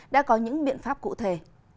đã có những biện pháp cụ thể